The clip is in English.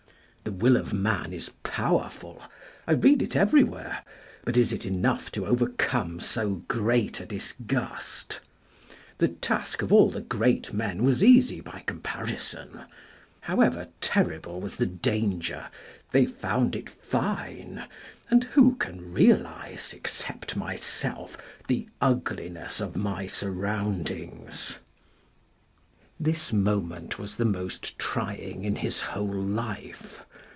"The will of man is powerful, I read it everywhere, but is it enough to overcome so great a disgust ? The task of all the great men was easy by comparison. However terrible was the danger, they found it fine, and who can realise, except myself, the ugliness of my surroundings ?" FIRST EXPERIENCE OF LIFE 193 This moment was the most trying in his whole life.